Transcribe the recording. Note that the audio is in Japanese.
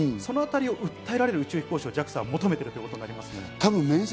そのあたりを訴えられる宇宙飛行士をＪＡＸＡは求めてるということになります。